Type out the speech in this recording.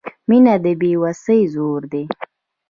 • مینه د بې وسۍ زور دی.